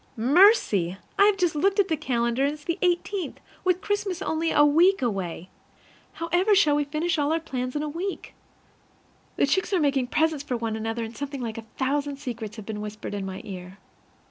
Mercy! I've just looked at the calendar, and it's the eighteenth, with Christmas only a week away. However shall we finish all our plans in a week? The chicks are making presents for one another, and something like a thousand secrets have been whispered in my ear.